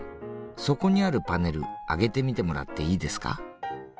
そこにあるパネル上げてみてもらっていいですか？